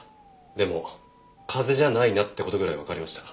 でも風邪じゃないなって事ぐらいわかりました。